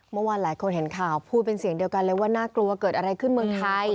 เมื่อวานหลายคนเห็นข่าวพูดเป็นเสียงเดียวกันเลยว่าน่ากลัวเกิดอะไรขึ้นเมืองไทย